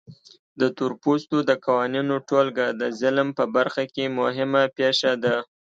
د تورپوستو د قوانینو ټولګه د ظلم په برخه کې مهمه پېښه ده.